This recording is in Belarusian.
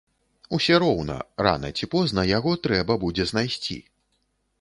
Усе роўна рана ці позна яго трэба будзе знайсці.